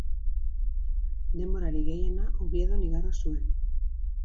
Denborarik gehiena Oviedon igaro zuen.